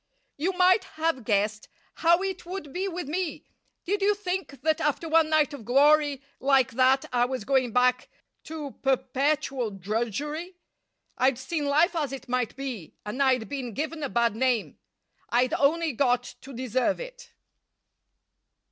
"You might have guessed how it would be with me. Did you think that after one night of glory like that I was going back to perpetual drudgery? I'd seen life as it might be, and I'd been given a bad name. I'd only got to deserve it."